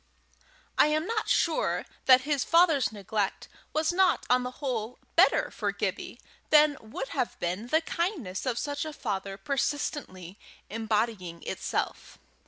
I am not sure that his father's neglect was not on the whole better for Gibbie than would have been the kindness of such a father persistently embodying itself.